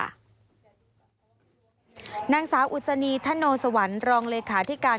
นางสาวอุศนีธโนสวรรค์รองเลขาธิการ